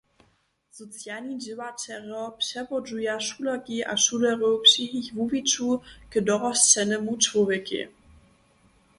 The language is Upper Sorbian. Socialni dźěłaćerjo přewodźuja šulerki a šulerjow při jich wuwiću k dorosćenemu čłowjekej.